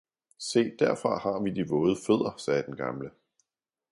Se derfra har vi de våde fødder, sagde den gamle.